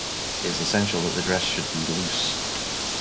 It is essential that the dress should be loose.